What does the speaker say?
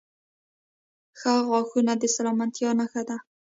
• ښه غاښونه د سلامتیا نښه ده.